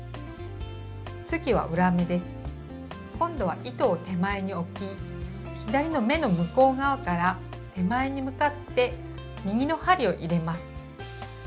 今度は糸を手前に置き左の目の向こう側から手前に向かって右の針を入れます。